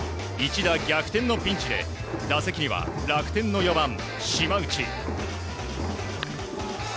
１打逆転のピンチで打席には楽天の４番、島内。